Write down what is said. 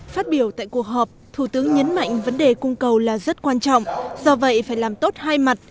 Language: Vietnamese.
phát biểu tại cuộc họp thủ tướng nhấn mạnh vấn đề cung cầu là rất quan trọng do vậy phải làm tốt hai mặt